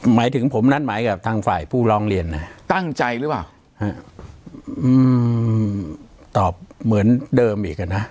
หมายถึงผมนัดหมายกับทางฝ่ายผู้ร้องเรียนนะตั้งใจหรือเปล่าฮะอืมตอบเหมือนเดิมอีกอ่ะนะ